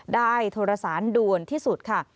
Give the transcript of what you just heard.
ได้โทรสารด่วนที่สุดค่ะ